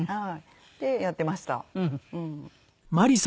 でやってました。